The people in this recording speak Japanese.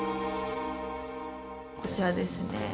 こちらですね。